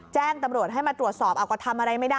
แจ้งตำรวจให้มาตรวจสอบเอาก็ทำอะไรไม่ได้